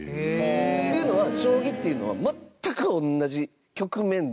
っていうのは、将棋っていうのは全く同じ局面で終わる事はない。